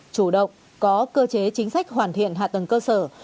chủ động có cơ chế chính sách hoàn thiện hạ tầng cơ sở